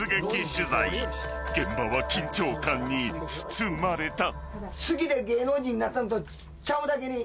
［現場は緊張感に包まれた］